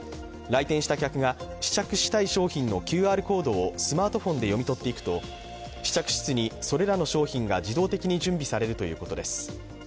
来店した客が試着したい商品のＱＲコードをスマートフォンで読み取っていくと試着室にそれらの商品が自動的に準備されるということです。